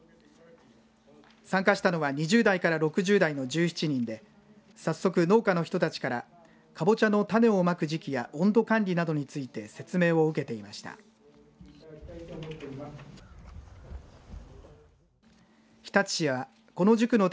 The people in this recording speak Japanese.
参加したのは２０代から６０代の１７人で早速農家の人たちからかぼちゃの種をまく時期や温度管理などについて説明を受けていました。